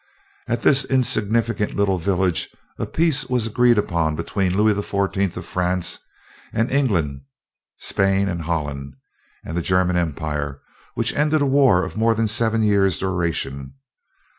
At this insignificant little village, a peace was agreed upon between Louis XIV. of France and England, Spain and Holland, and the German Empire, which ended a war of more than seven years' duration.